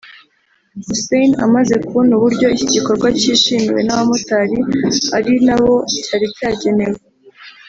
Hussein amaze kubona uburyo iki gikorwa cyishimiwe n’abamotari ari nabo cyari cyagenewe